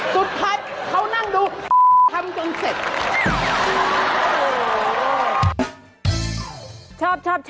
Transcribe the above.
สุดท้ายเขานั่งดูทำจนเสร็จ